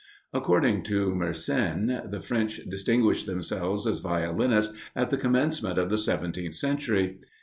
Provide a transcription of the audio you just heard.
According to Mersenne, the French distinguished themselves as violinists at the commencement of the seventeenth century.